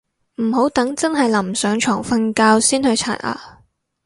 唔好等真係臨上床瞓覺先去刷牙